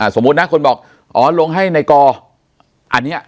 สมมติคนบอกลงให้ในกรอันนี้